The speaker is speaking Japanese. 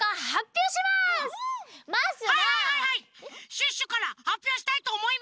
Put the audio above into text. シュッシュからはっぴょうしたいとおもいます！